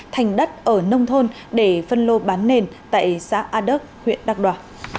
thành đất ở nông thôn để phân lô bán nền tại xã a đức huyện đắk đoa